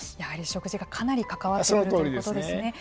食事がかなり関わってくるということですね。